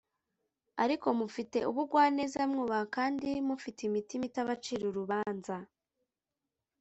ariko mufite ubugwaneza, mwubaha, kandi mufite imitima itabacira urubanza,